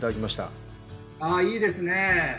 ああいいですね。